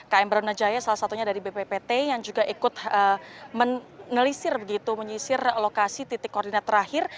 km bronajaya salah satunya dari bppt yang juga ikut menelisir begitu menyisir lokasi titik koordinat terakhir